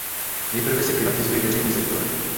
Nejprve se zprivatizuje veřejný sektor.